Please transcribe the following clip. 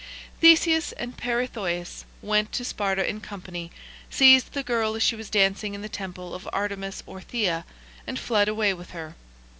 Theseus and Peirithoiis went to Sparta in company, seized the girl as she was dancing in the temple of Artemis Orthia, and fled away with her.